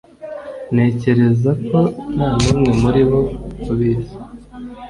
ntekereza ko nta n'umwe muri bo ubizi